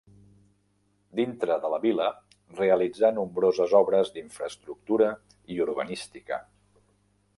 Dintre de la vila realitzà nombroses obres d'infraestructura i urbanística.